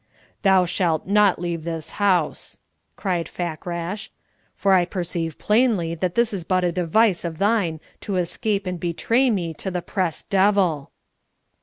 "Thou shalt not leave this house," cried Fakrash, "for I perceive plainly that this is but a device of thine to escape and betray me to the Press Devil!"